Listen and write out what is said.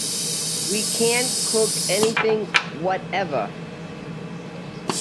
We can't cook anything whatever.